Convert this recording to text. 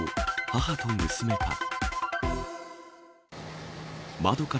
母と娘か。